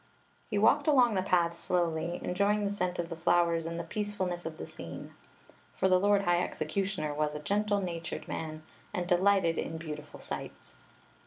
He walked along the paths slowly, enjoying the scent of the flowers and the peacefulness of the scene ; for the lord high executioner was a gentle natured man and delighted in beautiful sights.